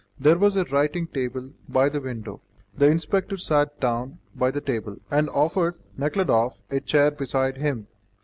There was a writing table by the window. The inspector sat down by the table, and offered Nekhludoff a chair beside him.